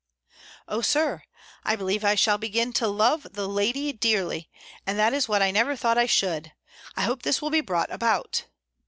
"O, Sir! I believe I shall begin to love the lady dearly, and that is what I never thought I should. I hope this will be brought about.